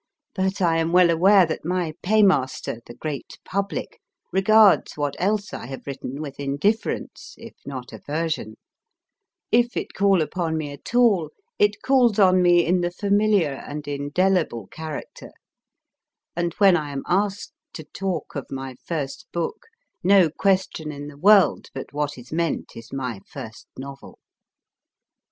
But I am well aware that my paymaster, the Great Public, regards what else I have written with indifference, if not aversion ; if it call upon me at all, it calls on me in the familiar and indelible character ; and when I am asked to talk of my first book, no question in the world but what is meant is my first novel.